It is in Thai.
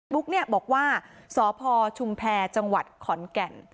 บอกว่าสพชุมแพรจังหวัดขอนแก่น